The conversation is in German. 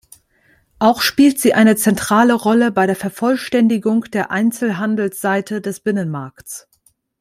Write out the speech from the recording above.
Auch spielt sie eine zentrale Rolle bei der Vervollständigung der Einzelhandelsseite des Binnenmarkts.